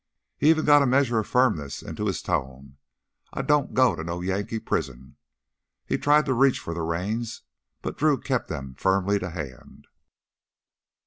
He even got a measure of firmness into his tone. "I don't go to no Yankee prison...." He tried to reach for the reins, but Drew kept them firmly to hand.